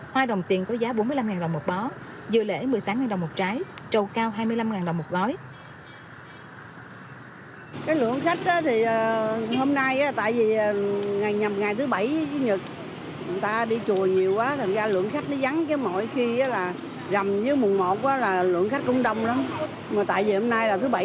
hoa đồng tiền có giá bốn mươi năm đồng một bó dưa lễ một mươi tám đồng một trái trầu cao hai mươi năm đồng một gói